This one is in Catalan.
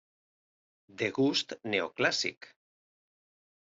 De gust neoclàssic.